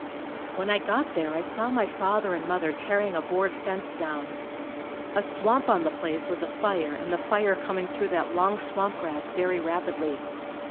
When I got there I saw my father and mother tearing a board fence down. A swamp on the place was afire and the fire coming through that long swamp grass very rapidly.